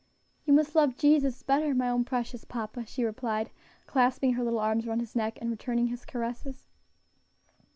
"You must love Jesus better, my own precious papa," she replied, clasping her little arms around his neck, and returning his caresses.